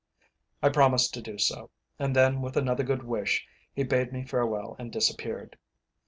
I promised to do so, and then with another good wish, he bade me farewell and disappeared.